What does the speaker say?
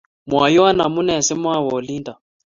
Mwaiwo amune si mawe olindok